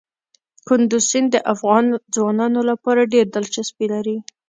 کندز سیند د افغان ځوانانو لپاره ډېره دلچسپي لري.